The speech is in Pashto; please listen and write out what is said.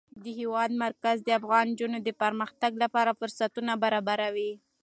د هېواد مرکز د افغان نجونو د پرمختګ لپاره فرصتونه برابروي.